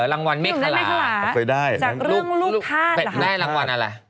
รางวัลเมฆรา